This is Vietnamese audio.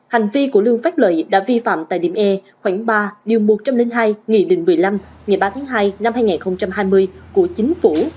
hành vi của lương phát lợi đã vi phạm tại điểm e khoảng ba điều một trăm linh hai nghị định một mươi năm ngày ba tháng hai năm hai nghìn hai mươi của chính phủ